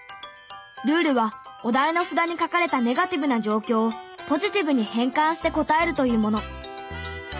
ルールはお題の札に書かれたネガティブな状況をポジティブに変換して答えるというもの。